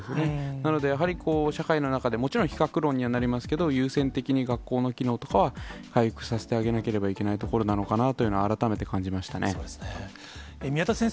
なのでやはり、社会の中で、もちろん比較論にはなりますけど、優先的に学校の機能とかは回復させてあげなければいけないところなのかなというのは、改めて感じましたね。